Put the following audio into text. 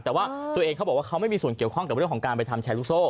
แต่ว่าตัวเองเขาบอกว่าเขาไม่มีส่วนเกี่ยวข้องกับเรื่องของการไปทำแชร์ลูกโซ่